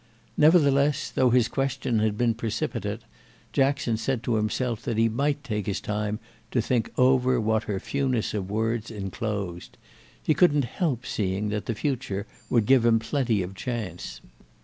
Nevertheless, though his question had been precipitate, Jackson said to himself that he might take his time to think over what her fewness of words enclosed; he couldn't help seeing that the future would give him plenty of chance.